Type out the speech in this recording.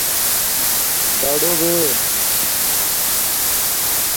دَڈݸ بے